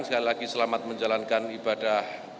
sekali lagi selamat menjalankan ibadah